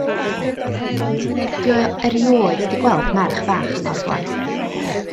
'Di o erioed di gweld merch fach yma o'r blaen.